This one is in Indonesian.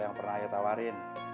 yang pernah aya tawarin